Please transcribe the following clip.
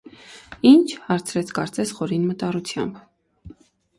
- Ի՞նչ,- հարցրեց, կարծես, խորին մտառությամբ: